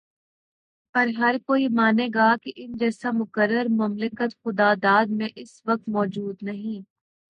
پر ہرکوئی مانے گا کہ ان جیسا مقرر مملکت خداداد میں اس وقت موجود نہیں۔